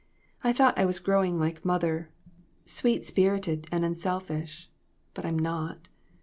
I thought I was growing like mother sweet LESSONS. I /I spirited and unselfish, but I'm not.